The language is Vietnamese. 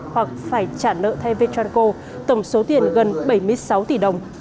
hoặc phải trả nợ thay vtranco tổng số tiền gần bảy mươi sáu tỷ đồng